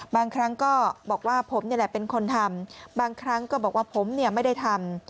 บางครั้งก็บอกว่าผมนี่แหละเป็นคนทำบางครั้งก็บอกว่าผมเนี่ยไม่ได้ทำ